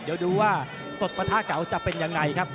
เดี๋ยวดูว่าสดปะทะเก่าจะเป็นยังไงครับ